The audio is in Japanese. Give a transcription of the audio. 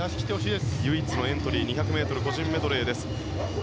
唯一のエントリー２００ｍ個人メドレーです。